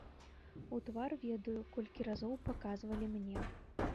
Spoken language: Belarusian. У твар ведаю, колькі разоў паказвалі мне.